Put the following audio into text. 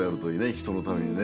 ひとのためにね。